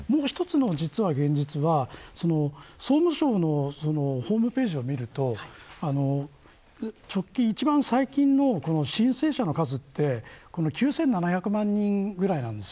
もう一つの現実は総務省のホームページを見ると一番最近の申請者の数って９７００万人くらいです。